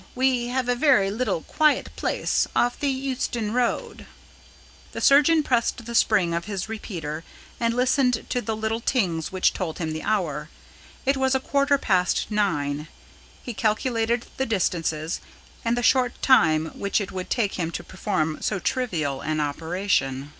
We have a very little quiet place off the Euston Road." The surgeon pressed the spring of his repeater and listened to the little tings which told him the hour. It was a quarter past nine. He calculated the distances, and the short time which it would take him to perform so trivial an operation.